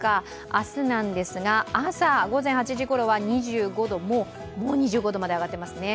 明日なんですが、朝午前８時ごろは２５度、もう２５度まで上がっていますね